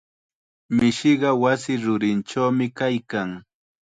Mishiqa wasi rurinchawmi kaykan.